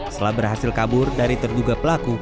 setelah berhasil kabur dari terduga pelaku